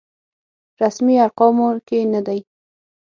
رسمي ارقامو کې نه دی.